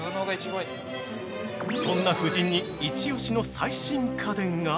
◆そんな夫人にイチオシの最新家電が◆